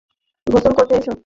গোসল করতে আসো!